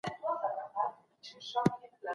هر څوک بايد خپل تاريخ وپېژني.